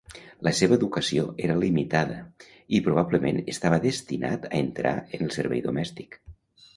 La seva educació era limitada i probablement estava destinat a entrar en el servei domèstic.